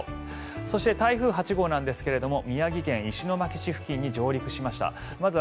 そして台風８号ですが宮城県石巻市付近に上陸しました。